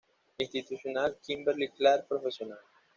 Institucional: Kimberly-Clark Professional.